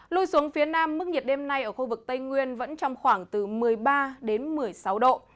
lui xuống phía nam mức nhiệt đêm nay ở khu vực tây nguyên vẫn trong khoảng từ một mươi ba đến một mươi sáu độ